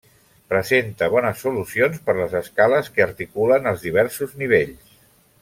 Presenta bones solucions per les escales que articulen els diversos nivells.